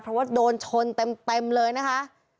เพราะว่าโดนชนเต็มเลยนะคะ